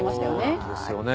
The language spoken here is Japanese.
そうなんですよね。